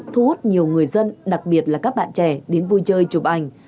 thu hút nhiều người dân đặc biệt là các bạn trẻ đến vui chơi chụp ảnh